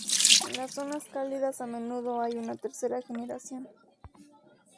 En las zonas cálidas a menudo hay una tercera generación.